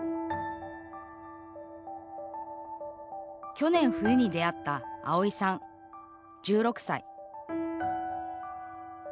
去年、冬に出会ったあおいさん、１６歳。